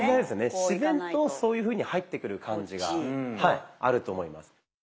自然とそういうふうに入ってくる感じがあると思います。